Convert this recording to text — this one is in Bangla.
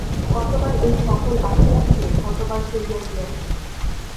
কতবার এই-সকল আসিয়াছে, কতবার চলিয়া গিয়াছে।